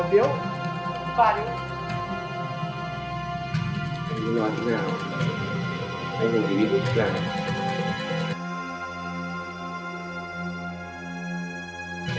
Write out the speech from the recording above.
đi tìm cách